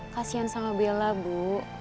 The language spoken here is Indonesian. kasian sama bella bu